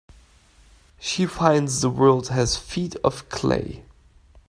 She finds the world has feet of clay.